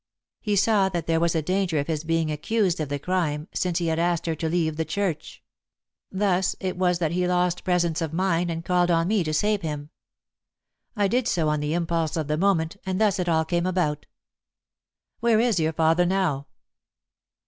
He saw that there was a danger of his being accused of the crime, since he had asked her to leave the church. Thus it was that he lost his presence of mind and called on me to save him. I did so on the impulse of the moment, and thus it all came about." "Where is your father now?"